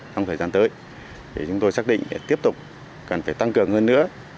trong thời gian tới thì chúng tôi xác định tiếp tục cần phải tăng cường hơn nữa